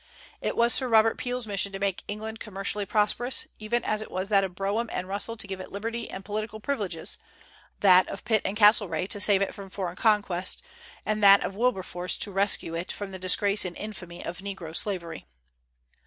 It was Sir Robert Peel's mission to make England commercially prosperous, even as it was that of Brougham and Russell to give it liberty and political privileges, that of Pitt and Castlereagh to save it from foreign conquest, and that of Wilberforce to rescue it from the disgrace and infamy of negro slavery.